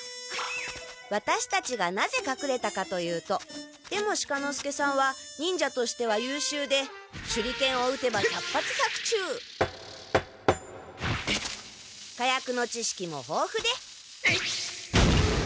ワタシたちがなぜかくれたかというと出茂鹿之介さんは忍者としてはゆうしゅうで手裏剣を打てば百発百中火薬の知識もほうふでえいっ！